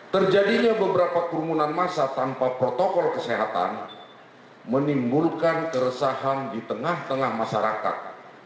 terjadinya beberapa kerumunan masa tanpa protokol kesehatan menimbulkan keresahan di tengah tengah masyarakat